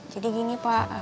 jadi gini pak